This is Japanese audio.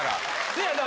せやな。